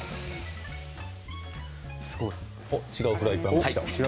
違うフライパンがきた。